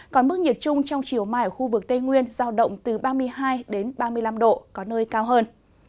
còn mức nhiệt trung trong chiều mai ở khu vực tây nguyên giao động từ ba mươi hai ba mươi năm độ có nơi cao hơn